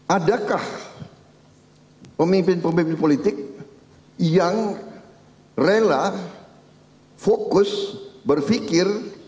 adakah pemimpin pemimpin politik yang rela fokus berpikir